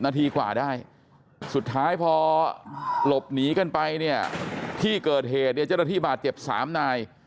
นาทีกว่าได้สุดท้ายพอหลบหนีกันไปเนี่ยที่เกิดเหตุเนี่ยเจ้าหน้าที่บาดเจ็บ๓นาย